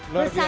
luar biasa ya